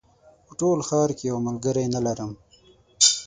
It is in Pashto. په ټول ښار کې یو ملګری نه لرم